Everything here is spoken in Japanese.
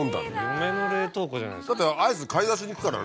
夢の冷凍庫じゃないですか。